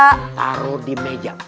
taruh di meja